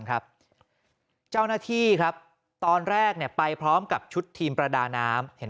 ครับเจ้าหน้าที่ครับตอนแรกเนี่ยไปพร้อมกับชุดทีมประดาน้ำเห็น